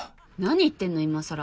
何言ってんの今更。